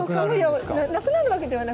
なくなるわけではなくて。